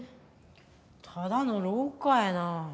ただの廊下やな。